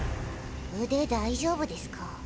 腕大丈夫ですか？